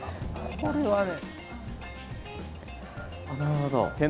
これはね。